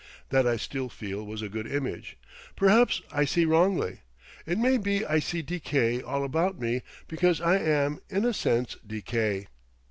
That I still feel was a good image. Perhaps I see wrongly. It may be I see decay all about me because I am, in a sense, decay.